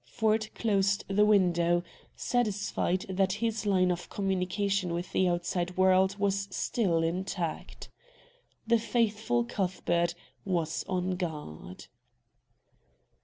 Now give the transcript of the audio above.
Ford closed the window, satisfied that his line of communication with the outside world was still intact. The faithful Cuthbert was on guard.